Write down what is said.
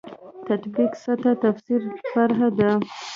تطبیق سطح تفسیر فرع ده.